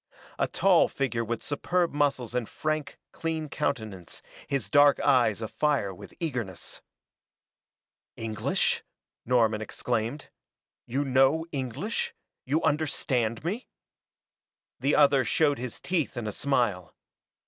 A tall figure with superb muscles and frank, clean countenance, his dark eyes afire with eagerness. "English?" Norman exclaimed. "You know English you understand me?" The other showed his teeth in a smile.